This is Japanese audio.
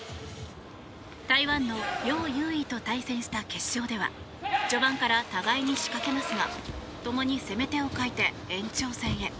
台湾のヨウ・ユウイと対戦した決勝では序盤から互いに仕掛けますが共に攻め手を欠いて延長戦へ。